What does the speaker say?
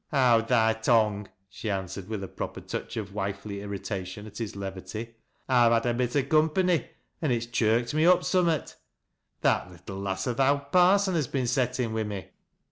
" Howd thy tongue," she answered with a proper touch of wifely irritation at his levity. " I've had a bit o' com pany an' it's chirked me up summat. That little lass o th' owd parson has been settin wi' me."